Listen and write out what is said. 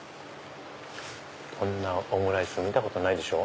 こんなオムライス見たことないでしょ。